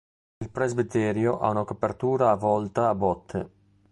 Il presbiterio ha una copertura a volta a botte.